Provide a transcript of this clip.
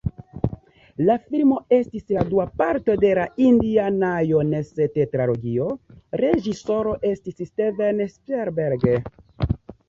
La filmo estis la dua parto de la Indiana-Jones-tetralogio, reĝisoro estis Steven Spielberg.